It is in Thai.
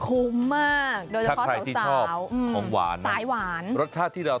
คุ้มมากโดยเฉพาะสาว